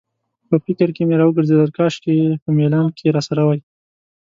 په فکر کې مې راوګرځېدل، کاشکې په میلان کې راسره وای.